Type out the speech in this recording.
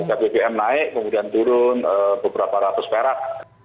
harga bbm naik kemudian turun beberapa ratus perak